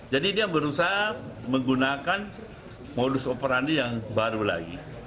jadi dia berusaha menggunakan modus operandi yang baru lagi